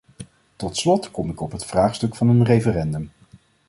Tot slot kom ik op het vraagstuk van een referendum.